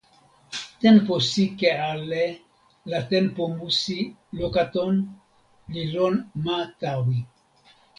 tenpo sike ale la tenpo musi Lokaton li lon ma Tawi.